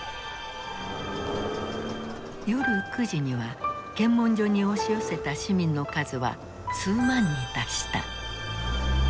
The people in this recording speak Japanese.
夜９時には検問所に押し寄せた市民の数は数万に達した。